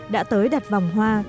đã tới đặt vòng hoa